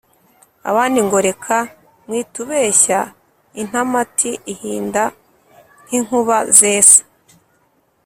Abandi ngo reka mwitubeshyaIntamati ihinda nk'inkuba zesa